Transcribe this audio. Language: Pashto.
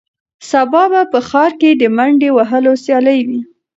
سبا به په ښار کې د منډې وهلو سیالي وي.